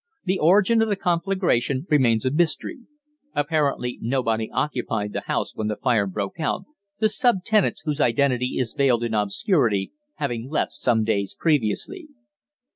The origin of the conflagration remains a mystery. Apparently nobody occupied the house when the fire broke out, the sub tenants, whose identity is veiled in obscurity, having left some days previously.